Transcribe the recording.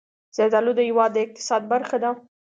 زردالو د هېواد د اقتصاد برخه ده.